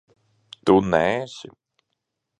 Tu neesi?